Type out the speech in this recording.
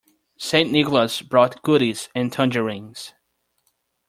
St. Nicholas brought goodies and tangerines.